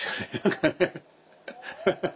ハハハハハ。